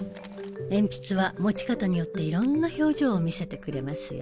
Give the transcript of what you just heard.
鉛筆は持ち方によっていろんな表情を見せてくれますよ。